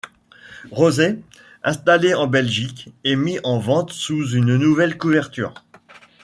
Rozez, installé en Belgique et mis en vente sous une nouvelle couverture.